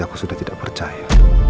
aku sudah tidak percaya